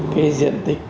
cái diện tích